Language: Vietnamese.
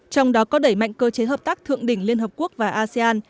trong đó có đẩy mạnh cơ chế hợp tác thượng đỉnh liên hợp quốc và asean